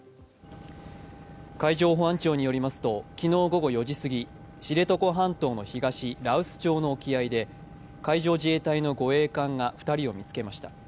海上保安庁によりますと昨日午後４時すぎ知床半島の東、羅臼町の沖合で海上自衛隊の護衛艦が２人を見つけました。